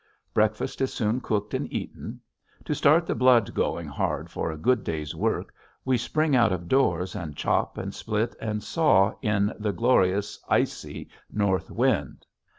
Breakfast is soon cooked and eaten. To start the blood going hard for a good day's work we spring out of doors and chop and split and saw in the glorious, icy north wind.